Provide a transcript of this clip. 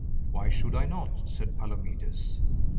Why should I not? said Palomides.